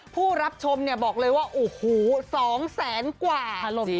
ผู้รับชมเนี่ยบอกเลยว่าโอ้โห๒แสนกว่า